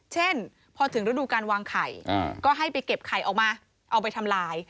เช่นพอถึงฤดูการวางไข่ก็ให้ไปเก็บไข่ออกมาเอาไปทำลาย